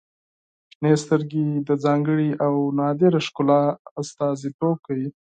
• شنې سترګې د ځانګړي او نادره ښکلا استازیتوب کوي.